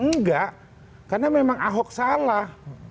enggak karena memang ahok salah